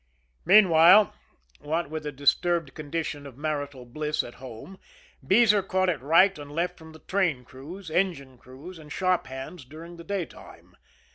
Meanwhile, what with a disturbed condition of marital bliss at home, Beezer caught it right and left from the train crews, engine crews and shop hands during the daytime.